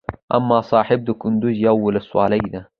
امام صاحب دکندوز یوه ولسوالۍ ده